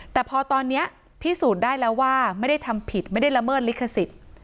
แต่พอตอนนี้พิสูจน์ได้แล้วว่าไม่ได้ทำผิดไม่ได้ละเมิดลิขสิทธิ์